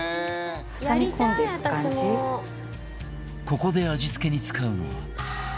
ここで味付けに使うのは